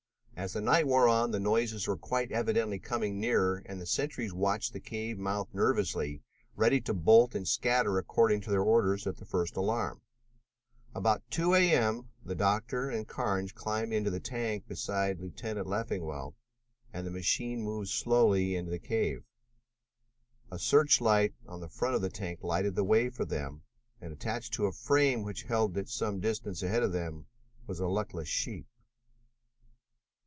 As the night wore on the noises were quite evidently coming nearer and the sentries watched the cave mouth nervously, ready to bolt and scatter according to their orders at the first alarm. About two A. M. the doctor and Carnes climbed into the tank beside Lieutenant Leffingwell, and the machine moved slowly into the cave. A search light on the front of the tank lighted the way for them and, attached to a frame which held it some distance ahead of them, was a luckless sheep.